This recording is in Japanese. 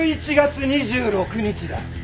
１１月２６日だ。